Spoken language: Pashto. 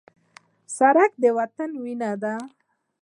سړک د وطن وینه ده.